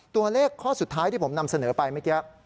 ตัวเลขข้อสุดท้ายที่ผมนำเสนอไปเมื่อกี้